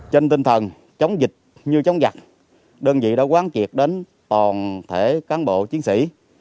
trên tinh thần chống dịch như chống giặc đơn vị đã quán triệt đến toàn thể cán bộ chiến sĩ